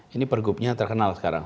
ini pergubnya terkenal sekarang